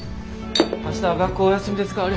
明日は学校お休みですか？